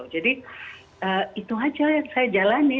jadi itu aja yang saya jalani